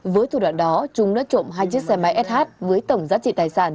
với thủ đoạn đó chúng đã trộm hai chiếc xe máy sh với tổng giá trị tài sản